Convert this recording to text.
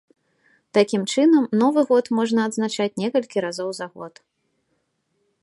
Такім чынам новы год можна адзначаць некалькі разоў за год.